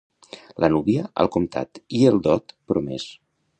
La núvia, al comptat, i el dot, promès.